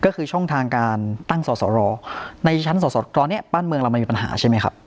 ก็คือช่องทางการตั้งสอสรในชั้นสอสอตอนนี้บ้านเมืองเรามันมีปัญหาใช่ไหมครับ